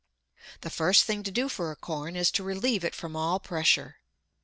The first thing to do for a corn is to relieve it from all pressure.